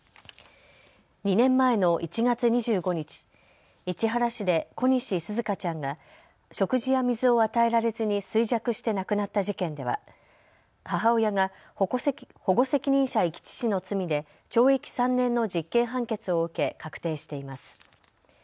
２年前の１月２５日市原市で小西紗花ちゃんが食事や水を与えられずに衰弱して亡くなった事件では母親が保護責任者遺棄致死の罪で懲役３年の実刑判決を受け確定しています。